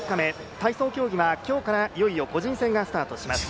体操競技は今日からいよいよ個人戦がスタートします。